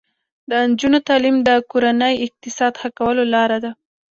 د نجونو تعلیم د کورنۍ اقتصاد ښه کولو لاره ده.